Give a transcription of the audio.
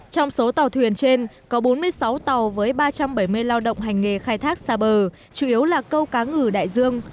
trong số tàu thuyền trên có bốn mươi sáu tàu với ba trăm bảy mươi lao động hành nghề khai thác xa bờ chủ yếu là câu cá ngừ đại dương